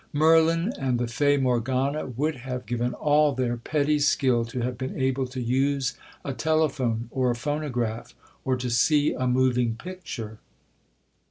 Merlin and the Fay Morgana would have given all their petty skill to have been able to use a telephone or a phonograph, or to see a moving picture.